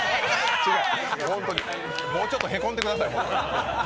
もうちょっとへこんでください。